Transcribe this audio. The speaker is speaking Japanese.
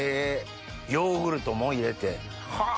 ヨーグルトも入れてはぁ。